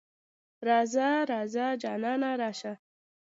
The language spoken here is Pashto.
راځه ـ راځه جانانه راشه.